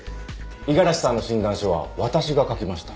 五十嵐さんの診断書は私が書きました。